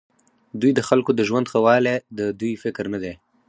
دوی د خلکو د ژوند ښهوالی د دوی فکر نه دی.